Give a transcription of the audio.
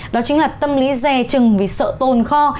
đó chính là tâm lý rè trừng vì sợ tồn kho